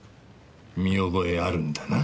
見覚えあるんだな？